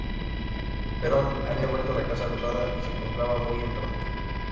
Perón había vuelto a la Casa Rosada y se encontraba muy enfermo.